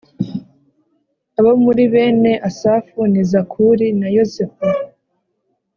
Abo muri bene Asafu ni Zakuri na Yosefu